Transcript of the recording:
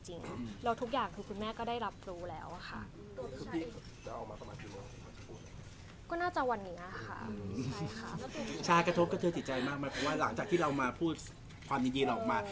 หลังจากที่เรามาพูดความดีเราออกมา